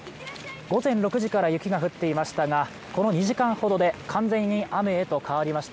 午前６時から雪が降っていましたがこの２時間ほどで完全に雨へと変わりました。